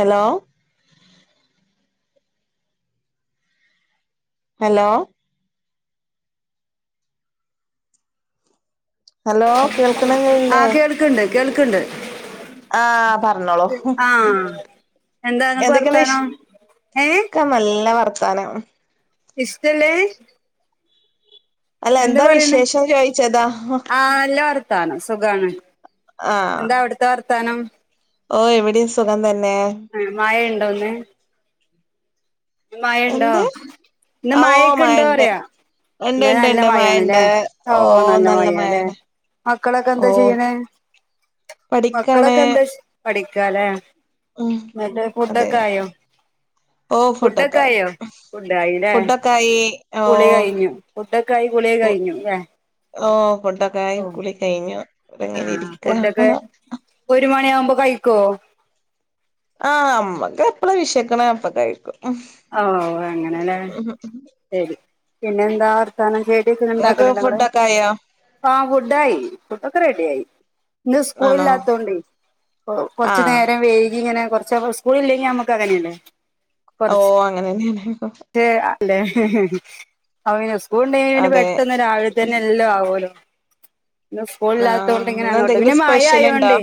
Hello hello hello ആ കേൾക്കണന്നില്ലേ കേൾക്കണ്ട് കേൾക്കണ്ട്. ആ പറഞ്ഞോളു? ആ എന്താ നിങ്ങക്ക് എന്തൊക്കെയാണ് വിഷ് വർത്താനം ഏ -നല്ല വർത്തനം. ഇഷ്ടല്ലേ അല്ല എന്താ, പറയണേ, വിശേഷം ചോയിച്ചതാ ആ.. നല്ല വർ.. വർത്താനം, സുഖാണ് ആഹ് എന്തായവിടുത്തെ വർത്താനം ഓ, ഇവിടെയും സുഖം തന്നെ ആ.. മഴ ഉണ്ടോന്നേ മഴയുണ്ടോ, എന്ത് ഇന്നു ഓ മഴയൊക്കെയുണ്ടോ മഴണ്ട് അറിയ ഉണ്ട് ഇന്ന് ഉണ്ട് ഉണ്ട് നല്ലമഴയാണല്ലേ, മഴണ്ട് ഓ.. നല്ല മഴയായല്ലേ ഓ മക്കളൊക്കെയെന്താ ചെയ്യണേ? പഠിക്കാണ് മക്കളൊക്കെയെന്താ ചെ.. പഠിക്കായല്ലേ ഉം മറ്റേ അതെ ഫുഡൊക്കെ ആയോ ഓ ഫുഡൊക്കെ ആയി ഫുഡൊക്കെയായോ? ഫുഡായീല്ലേ ഫുഡൊക്കെ ആയി ഓ കുളികഴിഞ്ഞു. ഫുഡൊക്കെയായി, കുളിയുംകഴിഞ്ഞൂല്ലേ? ഓ.. ഫുഡൊക്കെയായി. കുളി കഴിഞ്ഞു. ആ.. ഇങ്ങനെ ഇരിക്ക ഫുഡൊക്കെയൊരു മണിയാകുമ്പോ കഴിക്കോ? ആ.. നമ്മക്കെപ്പളാവിശക്കണേയപ്പൊ കഴിക്കും. ഓ.. അങ്ങനെയല്ലേ ശരി പിന്നെയെന്താ, വർത്താനം നിങ്ങക്ക് കേക്കൊക്കെയുണ്ടാക്കിണിണ്ടോനിങ്ങള് ഫുഡൊക്കെ ആയോ ആ.. ഫുഡായി ഫുഡൊക്കെ റെഡിയായി, ഇന്നു ആണോ സ്കൂളില്ലാത്തോണ്ട് ആഹ് കൊറച്ചുനേരം വൈകി യിങ്ങനെ കൊറച്ച, സ്കൂളില്ലെങ്കിൽനമ്മുക്കങ്ങനെയാണ് ഓ, അങ്ങനെ തന്നെയാണ് ശ അല്ലെ അ സ്കൂളുണ്ടേ പിന്നെ അതെ പെട്ടെന്നുരാവിലത്തെ തന്നെ എല്ലാം ആകുവല്ലോ ഇന്നു സ്കൂളില്ലാത്ത ആഹ് ഇന്ന് കൊണ്ടിങ്ങനെയങ്ങോട്ട് പിന്നെ എന്തെങ്കിലും മയ സ്പെഷ്യൽ ഉണ്ടോ അയോണ്ടെ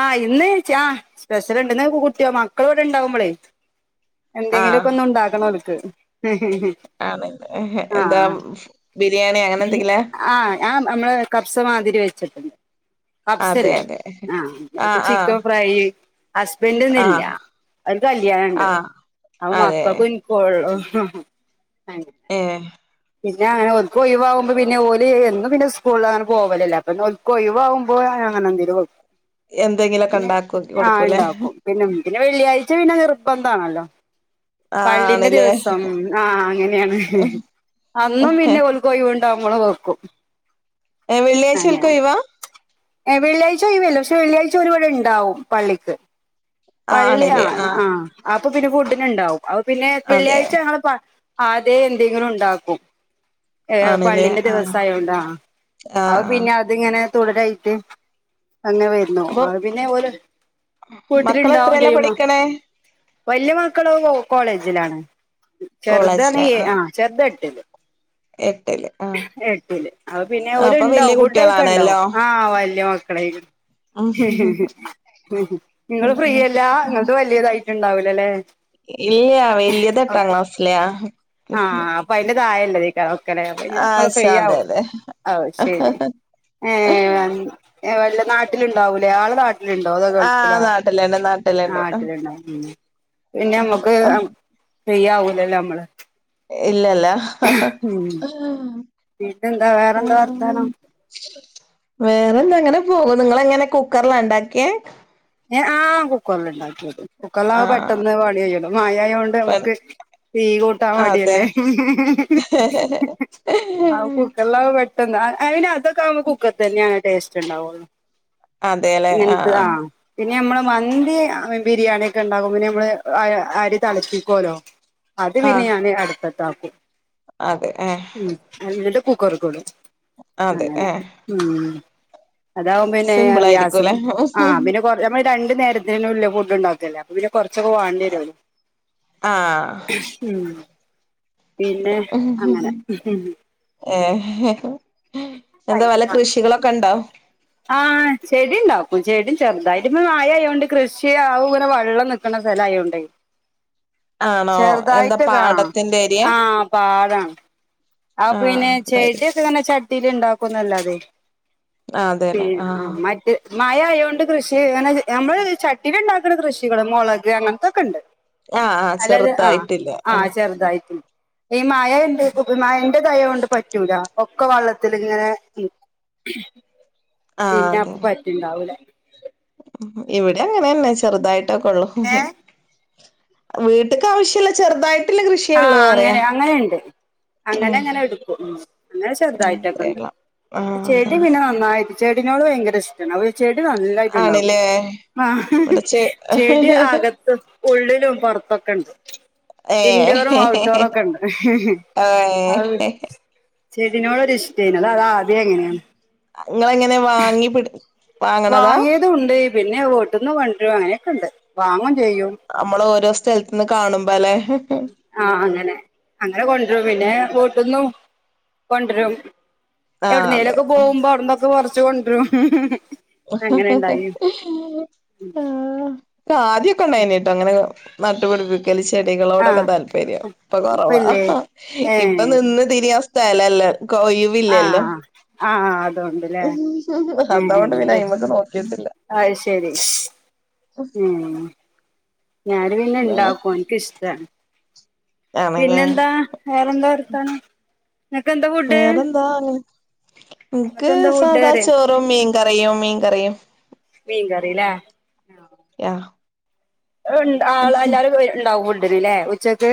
ആ... ഇന്നു, ചാ പ്രെഷറു ണ്ടെന്നുകൂട്ടിയോ, മക്കളിവിടെ ഉണ്ടാവുമ്പോളേ ആഹ് എന്തെങ്കിലുമൊക്കെ ഒന്നുണ്ടാക്ക.. ഹും.. ആണ്, എന്താ ബിരിയാണിഅങ്ങനെയെന്തെങ്കിലേ സുമാതിരി വെച്ചിട്ടുണ്ട്. അതെ പപ്‌സില്ലേ അതെ ആ, ആഹ് ആഹ് ചിക്കൻ ഫ്രൈ.. ഹസ്ബൻഡിന്നില്ല, ആഹ് ഒരുകല്യാണമുണ്ട്. ആഹ് അവൻ അതെ വർക്ക്ഷോപ്പിൽ ആ. ഹം ഏ പിന്നെയങ്ങനെ ഒറക്ക മൊഴിവാകുമ്പോ പിന്നെഓല്, എന്നും പിന്നെ സ്കൂളിലങ്ങനെ പോകലില്ല അപ്പോമിന്നു റക്കമൊഴിവാകുമ്പോഴാണ് അങ്ങനെയെന്തേലും എന്തെങ്കിലൊക്കെ പിന്നെ ഉണ്ടാക്കി ആ.. കൊടുക്കൂലേ ഉണ്ടാക്കും., പിന്നെ പിന്നെവെള്ളിയാഴ്ച പിന്നെ നിർബന്ധമാണല്ലോ ആഹ് പള്ളിന്റെ ആണ്ല്ലേ ദിവസം ആ.. അങ്ങനെയാണ്. അന്നും പിന്നെയൊരു കോഴിയു നമ്മളുനോക്കും. ഏ.. വെള്ളിയാഴ്ച നിങ്ങൾക്കൊഴിവാ ഏ.. വെള്ളിയാഴ്ച കഴിവില്ല. പക്ഷേ വെള്ളിയാഴ്ച ഒഴിവിപി ടെയുണ്ടാവും, പള്ളിക്ക്. ആഹ് പള്ളി, ആ.. ആണ്ല്ലേ ആഹ് ആ.. അപ്പൊ പിന്നെ ഫുഡിനുണ്ടാവും. അപ്പ പിന്നെ അതെ വെള്ളിയാഴ്ച ഞങ്ങളു പ അതെയെന്തെങ്കിലു മുണ്ടാക്കും. ഏ.. ആണ്ല്ലേ പള്ളിന്റെ ആഹ് ദിവസായോണ്ടാ, ആഹ് അതു ആഹ് പിന്നെ അതിങ്ങനെ തുടരായിട്ട് അങ്ങനെവരുന്നോ അപ്പൊ അതു പിന്നെഓല്‌ ഫുഡിനുണ്ടാവും മക്കളെത്രേലാ ചെയ്യുമ്മ പഠിക്കണേ വലിയമക്കളു കോ.. കോളേജിലാണ്. ചെറുതാണ്, കോളേജില് ആ.. ആഹ് ചെറുതെട്ടില്. എട്ടില്, ആ.. എട്ടില് അ.. പിന്നെഓലുണ്ടാവും കുട്ടികളാണല്ലോ ഫുഡൊക്കെയുണ്ടാവും, ആ.. വലിയ മക്കടെകൈയ്യില് ഉം അതെതെ നിങ്ങളുഫ്രീയല്ലാ, നിങ്ങൾക്ക് വല്യതായിട്ട്ണ്ടാവുവല്ലേയല്ലേ ഇല്ല, വലിയതെട്ടാം ക്ലാസ്സിലാ ഇതായല്ല നോക്ക പിന്നെ നമ്മള് അതെ ഫ്രീയാവും. അതെ ആം.. [inaudible] ശരി ഏ.. വല്ലനാട്ടിലുണ്ടാവൂലേ ആളുകള ഇതിലുണ്ടോയ തോ ആഹ് ഗൾഫിലോ. നാട്ടിലുണ്ട് ആ നാട്ടിലുണ്ട് ഇതിലുണ്ടാവും, പിന്നെ നമ്മ ചെയ്യവൂലല്ലോ നമ്മള്. ഇല്ലല്ല ഉം പിന്നെന്താ വേറെന്താ മ് വർത്താനം വേറെന്താങ്ങനെപോവ്ണ് ങ്ങളെ ങ്ങനെ കുക്കറിലാണ്ടാക്കിയെ എ ആ കുക്കർൽണ്ടാക്കിയെത് കുക്കറിലാ [unintelligible] ആഹ് പെട്ടെന്ന് പണികയ്‌യല്ലോ മയയൊണ്ട് പണി മ്മക്ക് അതെ തീകൂട്ടാമടിയല്ലേ അത് കുക്കറിലത്പെട്ടെന്ന് അയിന് അതൊക്കാവുമ്പോ കുക്കർ തന്നെയാണ് ടേസ്റ്റ്ണ്ടാവുള്ളു അതെല്ലേ ആ പിന്നെയമ്മള് മന്തി ബിരിയാണിയൊക്കെ ഉണ്ടക്കുമ്പോപിന്നെ അമ്മള് അരി തിളപ്പിക്കുവല്ലോ അത് ആഹ് പിന്നെഞാന് അടുപ്പത്താക്കും അതെ ഏഹ് ഉ എന്നിട്ട് കുക്കർക്കിടും അതെ അങ്ങനെ ഏഹ് ഉം അതാവുംമ്പോന്നെ സിമ്പിൾ ഗ്യാസും ആയിരിക്കുംല്ലേ ആ പിന്നെ [unintelligible] അമ്മള് രണ്ട്നേരത്തിനുല്ലേ ഫുഡ്ണ്ടാക്കല്ലേ അപ്പൊപിന്നെ കൊറച്ചൊക്കെ വാണ്ടിര്യല്ലോ ആഹ് ഉ പിന്നെ അങ്ങനെ ഏ എന്താവല കൃഷികളൊക്കെണ്ടോ ചെടിണ്ടാകും ചെടിം ചെറുതായിറ്റ്പ്പൊ മയയോണ്ട് കൃഷിയവുംങ്ങനെ വള്ളം നിക്ക്നെ സ്ഥലയോണ്ടേയ് ആണോ എന്താ ചെറുതായിറ്റൊക്കെ ആ പാടത്തിന്റെ ഏരിയെ ആ പാടാണ് ആഹ് അപിന്നെ അതായിരിക്കും ചെടിയൊക്കെങ്ങനെ ചട്ടീല് ണ്ടാക്കുംന്നല്ലാതെയ് ആഹ് പി അതെല്ലേ ആ ആഹ് മറ്റേ മഴ ആയോണ്ട് കൃഷിങ്ങനെ അമ്മള് ചട്ടീല്ണ്ടാക്കണ കൃഷികള് മൊളക് അങ്ങത്തൊക്കെണ്ട് ആഹ് ആഹ് അല്ലാതെ ആ ചെറുതായിട്ടില്ല ആ ആഹ് ചെറുതായിറ്റ്ണ്ട് ഈ മയ എണ്ട് യ്കും മയന്റെതായോണ്ട് പറ്റൂല ഒക്കെ വള്ളത്തില്ങ്ങനെ പിന്നെ അപ്പ പറ്റ്ണ്ടാവൂല ഇവിടിംയങ്ങനെന്നെ ചെറുതായിട്ടൊക്കൊള്ളൂ ഏ വീട്ട്ക്കാവശ്യല്ല ചെറുതായി ആ അങ്ങനെ അങ്ങനെണ്ട് ഉം അങ്ങനെങ്ങനെടുക്കും പിന്നെ ഉം കേരളം ആഹ് ചെറുതായിട്ടൊക്കെ അതന്നെ ചെടിപിന്നെനന്നായി ചെടിനോട്ഭയങ്കര ഇഷ്ട്ടാണ് അവ [unintelligible] ചെടി നല്ലായിട്ട്ണ്ടാക്കും ആണില്ലേ ആ ഇവിടച്ച് ചെടി അകത്ത് ഉള്ളിലും പുറത്തൊക്കെണ്ട് ഏഹ് ഇൻഡോറും ഔട്ട്ഡോറുംക്കെണ്ട് ഏഹ് അ ചെടിനോടൊരു ഇഷ്ട്ടായിനിം അതാ അതാധ്യേ അങ്ങനേണ് ഇങ്ങളെങ്ങനെ വാങ്ങി പിടി വാങ്ങണതാ വാങ്ങിയതുണ്ട് പിന്നെ വീട്ട്ന്ന് കൊണ്ടരും അങ്ങനെയൊക്കെണ്ട് വാങ്ങും ചെയ്യും നമ്മള് ഓരോ സ്ഥലത്ത്ന്ന് കാണുമ്പോല്ലെ ആ അങ്ങനെ അങ്ങനെ കൊണ്ടരും പിന്നെ വീട്ട്ന്നും കൊണ്ടരും ആഹ് അതെ എവിട്ന്നേലൊക്കെ പോകുമ്പോ അവിടന്നൊക്കെകൊറച്ച് കൊണ്ടുരും ആദ്യൊക്കെ ഉണ്ടായിനിട്ടോ അങ്ങനെ നട്ടുപിടിപ്പി ക്കൽ ആ ചെടികളോടൊക്കെ താല്പര്യം ഇപ്പൊകൊറവാ ഇപ്പല്ലേ ഏ ഇപ്പൊനിന്ന് തിരിയാ സ്ഥലല്ല ആ ഒഴിവില്ലല്ലോ ആ അതൊണ്ട്ല്ലേ അതോണ്ട് പിന്നെ ഏ അയ്മക്ക് നോക്കിട്ടില്ല അയ് ശരി ഏ ഞാന് എന്താണ് പിന്നെണ്ടാക്കും ഇൻക്ക്ഷ്ടാണ് ആണല്ലേ പിന്നെന്താ വേറെന്താ വർത്താനം ഇങ്ങക്കെന്താ ഫുഡ് ഇൻക്ക് നിങ്ങക്കെന്താ ഫുഡ് അറിയാ സാദാചോറും മീൻ കറിയും മീൻ കറിയും മീൻകറീലെ ആ [unintelligible] ഇൻ ണ്ടാവും എല്ലാരും ഉണ്ടാവുംല്ലേ ഫുഡിന് ലെ ഉച്ചക്ക്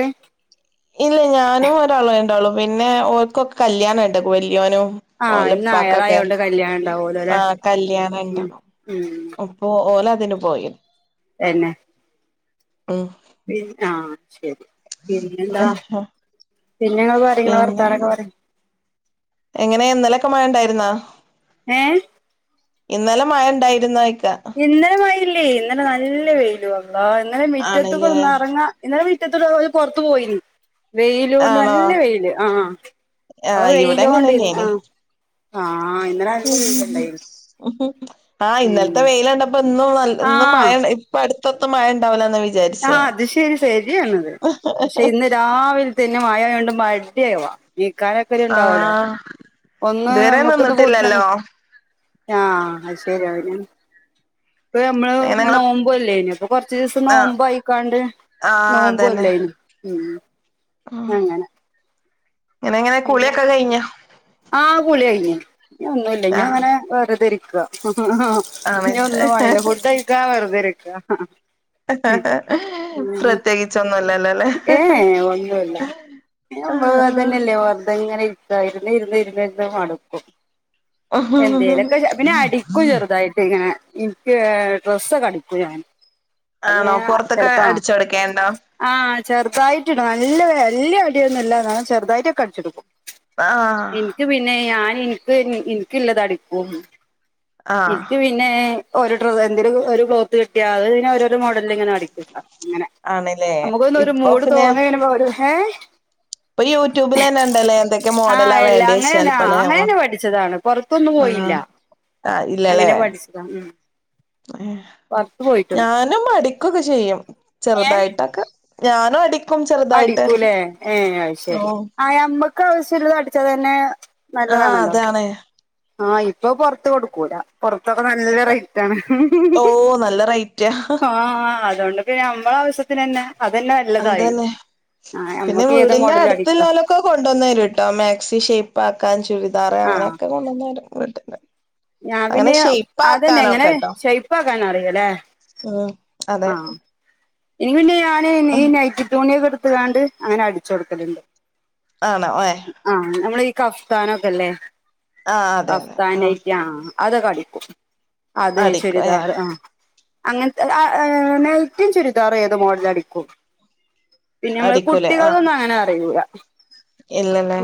ഇല്ലഞാനും ഒരാളുവെണ്ടാവൊള്ളൂ പിന്നെ ഓൽക്കൊക്കെ കല്യാണണ്ട് വല്യയോനും ആഹ് ഇന്ന് ഓലപ്പാക്കൊക്കെ ഞായറായോണ്ട് കല്യാണം ഉണ്ടാവൂലോ അല്ലെ ആ കല്യാണണ്ട് ഉം അപ്പൊഓല അതിന് പോയി പിന്നെ എ പിന്നെ ആ ശരി പിന്നെ എന്താ പിന്നെങ്ങള് പറ പിന്നെ വർത്താനെക്കെ പറി എങ്ങനെ ഇന്നലൊക്കെ മഴ ഉണ്ടായിരുന്നാ ഏ ഇന്നലെ മഴ ഉണ്ടായിരുന്നയ്കാ ഇന്നലെ മഴല്ലേ ഇന്നലെ നല്ല വെയിലുവാ അള്ളാ ഇന്നലെ മിറ്റത്ത് ആണല്ലേ കൊന്ന ഇറങ്ങ ഇന്നലെ മിറ്റ മുറ്റത് ഇട്ട് ഓലുപുറത്തു പോയി വെയില കൊണ്ട് ആണോ നല്ല വെയിയില് ആ ആ ഇവിടെ അങ്ങനെയ്നി ആഹ് ഇന്നലെ നല്ല വെയിലുണ്ടായിന് ആ ഇന്നലത്തെ ഉം വെയില് കണ്ടപ്പോ ഇന്നും ഇും മഴ ആഹ് ഇപ്പ അടുത്തൊന്നും മഴ ഉണ്ടാവുലാവിജാ ആ അത് ശരി ശരിയാണത് പക്ഷെ ഇന്ന് രാവിൽത്തെ പിന്നെ മഴയാണ്ട് മടിയവാ നീ കാലൊക്കെ ഒരു ഉണ്ടാവല്ലോ ആഹ് ഒന്ന് ഇതുവരെ നമ്മുക്ക് ഇന്ന് ഫുഡ് നിന്നിട്ടില്ലല്ലോ ആ അ ത്ശരിയാവുല ഇപ്പ നമ്മള് അങ്ങനെ നിങ്ങള് നോമ്പോല്ലേ ഇനി അപ്പൊ കൊറച്ച ദിവസം ആഹ് നോമ്പോ ആയിക്കാണ്ട് നോമ്പ്എല്ലേയിന്നോ ഉ ഇങ്ങനെ എങ്ങനെ കുളിയൊക്കെ കഴിഞോ ഇഞ്ഞൊന്നുല്ല ഇഞ്ഞങ്ങനെ വെർത ഇരിക്ക ആ ആണ് ഇനി ഒന്നും പണില്ല ഫുഡ് കഴിക്കാ വെറുതെരിക്ക പ്രത്യേകിച്ചൊന്നുല്ല ഏ ഒന്നു ല്ല നമ്മള് ആഹ് ഇങ്ങനതന്നല്ലേ വെറുതെങ്ങനെര് കാ ഇരുന്ന് ഇരുന്ന്ഇരുന്ന് മടക്കും എന്തേലൊക്കെ പിന്നെ അടിക്കും ചെറുതായിട്ട് ഇങ്ങനെ എനിക്ക് ഡ്രസ്സ് ഒക്കെ അടിക്കു ഞാൻ അപ്പ ആണോ ഞാൻ പുറത്തൊക്കെ ചെലപ്പാ അടിച്ചൊടുക്കേണ്ടോ ആഹ് ചെറുതായിട്ട് നല്ല വല്ല്യ അടിയൊന്നുല്ല ന്നാലും ചെറുതായിട്ടൊക്ക അടിച്ചെടുക്കും ആഹ് ഇനിക്ക് പിന്നെ ഞാൻ ഇനിക്ക് എനക്ക് ഇല്ലത് അടിക്കും ആഹ് ഇനിക്ക് പിന്നെ ഒരു ഡ്ര ഒരു ക്ലോത്ത് കിട്ടിയാൽ അത് ഓരെ മോടൽ ഇങ്ങനെ അടിക്ക ഇങ്ങനെ ആണല്ലേ നമുക്കൊന്ന ഒരു ഇപ്പൊ മൂട് പിന്നെ തോന്നന പോ ഇപ്പൊ യൂട്യൂബിൽ തന്നെ ഉണ്ടല്ലേ എന്തൊക്കെ ആ മോഡലാ അല്ല വേണ്ടി വെച്ചാൽ അങ്ങനന്നാ പല അങ്ങനെന്നെ പഠിച്ചതാണ് പൊൻത്തൊന്നും ആ പോയില്ല ആ ഇല്ലല്ലേ അങ്ങനെ പഠിച്ചതാ ഉം പൊറത്ത് പോയിട്ടൊന്നുല്ല ഞാനും അടിക്കൊക്കെ ചെയ്യും ഏഹ് ചെറുതായിട്ടക്കെ ഞാനും അടി അടിക്കൂലേ ഏ അ ഓ ശരി ആ നമ്മക്ക് ആവശ്യല്ലത് അടിച്ചാ തന്നെ ആഹ് നല്ലതാണല്ലോ അതാണ് ആഹ് ഇപ്പൊ പൊർത്ത് കൊടുക്കൂലാ പൊർ ഇൾതൊക്കെ നല്ല റൈറ്റാണ് ഓ നല്ല റേറ്റാ ആ അതുകൊണ്ട് പ്പ ഞമ്മള ആവശ്യത്തിന് തന്നെ നല്ലതായി അതന്നെ പിന്നെ നമ്മക്ക് ഏത് വീടിന്റെ മോഡലും അടുത്ത് അടിക്കാ ഇല്ലോലൊക്കെ കൊണ്ടൊന്നെരുട്ടോ മാക്സി ഷേപ്പ് ആക്കാൻ ചുരി ആഹ് ദാർഴഅങ്ങനെക്കെ കൊണ്ടന്നെരും വീട്ടിന്ന് ഞാൻ പിന്നെ അതന്നെ എങ്ങനെ ശേയിപ്പാക്കാനറിയല്ലേ ഉം അതെ എനിക്ക് പിന്നെ ഞാന് ഉം ഈ നൈറ്റി തൂണിയൊക്കെ എടുത്ത് കണ്ട് അങ്ങനെ അടിച്ചു കൊടുക്കലുണ്ട് ആണോ ഏഹ് കഫ്താനൊക്കെല്ലേ ആ അതെ അതെ കഫ്താനയിട്ട് ആ അതൊക്കടിക്കും അത് അടിക്കും ഏ ചുരിദാർ ആ അങ്ങനത അ ഏ നെറ്റിം ചുരിദാറു ഏതാ മോഡലടിക്കും പിന്നമ്മള് അടിക്കൂലേ കുട്ടികൾ ആഹ് ഒന്നും അങ്ങനെ അറിയുക ഇല്ലല്ലേ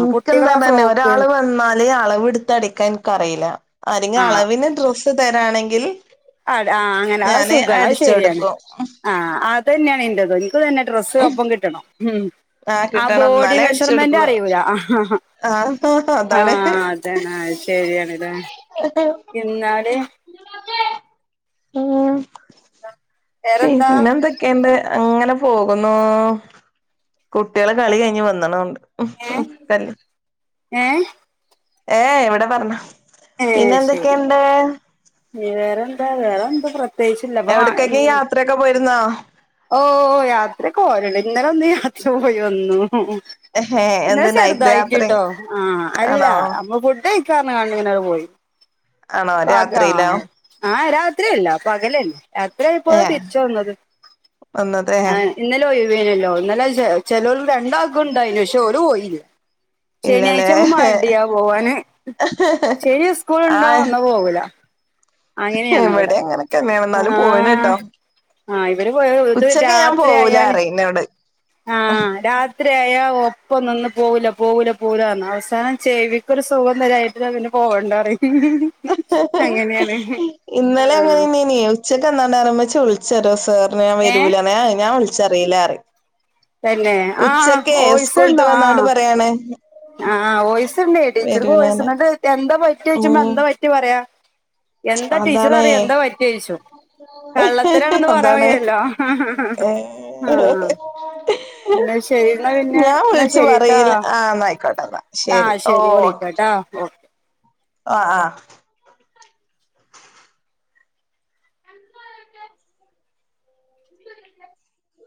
ഇൻക്കന്താ കുട്ടികളെ തന്നെ ഫ്രോക്ക് ഒരാള് വന്നാല് അളവ് ഇട്ത്ത് അടിക്കാൻ എൻക്കറീല്ല ആരെങ്കി അളവിന് ഡ്രസ്സ് തെരാണെങ്കിൽ അതെ ആ അങ്ങനെ അത് സുഖാണ് അത് ശെര്യണ് അടിച്ചൊടുക്കും ആ അതെന്നേണ് ഇൻ്റതും പ്പം തന്നെ ഡ്രസ്സ് ഒപ്പം കിട്ടണം മ് ആഹ് ആ കിട്ടണം ബോഡി എന്നാലേ മെഷർമെന്റ് അടിച്ചൊടുക്കുള്ളൂ അറിയൂല അ ഹാ ആഹ് അ ആ അതാണ് അതെന്നെ അയ് ശെര്യാണ് ലേ എന്നാല് മ് വേറെന്താ പിന്നെന്തൊക്കെണ്ട് അങ്ങനെ പോകുന്നു കുട്ട്യാള് കളി കഴിഞ്ഞ് വന്ന്ണോണ്ട് ഉം ഏ ഊം തെന്നെ ഏ ഏ വ്ടെ പർഞ്ഞാ ഏ പിന്ന ശരി ന്തൊക്കേണ്ട് തെയ്ച്ചില്ല പ്പം വാങ്ങീണ് പോയിരുന്നോ ഓ യാത്രൊക്കെ പോല്ണ്ട് ഇന്നെലൊന്ന് യാത്ര പോയി വന്നു മ് മ് ഹേ ന്നല എന്ത് നൈറ്റ് യാത്രെ ചെർതായിട്ട്ട്ടോ ആ അല്ല ആണോ അമ്മ ഫുഡ്ഡയ് കാർഞിങാണ്ടിങ്ങനെ പോയി ആണോ രാത്രിയിലോ [unintelligible] ത്രില്ല പകലെന്നെ രാത്രി ആയപ്പോ തിരിച്ച് വന്നത് വന്നതേ വ് ഏനില്ലോ ന്നലെ ചെ ചെലോല് രണ്ടാക്കും ണ്ടായിനി ക്ഷെ ഓല് പോയില്ല്യ ഇല്ലല്ലേ ശനിയാഴ്ചാമ്പൊ മടിയാ പോവാന് ശെനി സ്കൂൾ ണ്ടോ ആഹ് ന്നാ പോഊല അങ്ങനെണ് വടെ ഇവിടെ അങ്ങനൊക്കെ തന്നെയാണ് ആ എന്നാലും പോയിണ് ട്ടോ ആ ഇവരൊകെ പോയാല് വീട്ട് ഉച്ചക്ക് ഞാൻ രാത്രി പോവൂല ആയാല് പറയും ഇന്നോട് ആ രാത് ത്രി ആയ ഒപ്പം ന്ന്ന്ന് പോഉല പോഉല പോഉലർഞ് അവസാനം ചേവിക്കൊരു സുഖം തരാഞ്ട്ടാം പിന്ന പ് പോകണ്ടാ റിം [unintelligible] അങ്ങനെണ് അള്ളാഹ് ച്ചക്ക് എന്നാണ്ട് അറിം മ്മച്ചി വിൾച്ചറിഓ സേറ്ന് ഞാൻ ഏഹ് വെരൂലാന്ന് ഏ എ ഞാൻ വിളിച്ചറീല അറിം തെന്നെ ആ ഓയിസ്ടണം ആ വന്നാണ്ട് പറയാണ് ആ ഓയിസ്ട്ണെ ടീച്ചർക്ക് വരൂലാന്ന് വോയിസ്ട്ണം ങട്ട് എന്താ പറ്റി ഓയ്ച്ചുബം ഉം എന്താ പറ്റി പറയാ എന്താ ടീച്ചറ് അതാണേ പറിആ എന്താ പറ്റി ഓഴ്ച്ചും കള്ളത്തെരാണെന്ന് പറയാം അതാണ് വെയ്യല്ലോ ഹ ഹ ഏ ഹ ഹ ആ ഇന്നാ ശെരി എന്നാ പിന്നെ ഞാൻ എന്നാ വിളിച്ചു ശെരിട്ടാ പറയില്ല ആ എന്നായിക്കോട്ടെ എന്നാ ആ ശരി ശെരി വിളിക്ക ട്ടോ ഓകെ അ ആ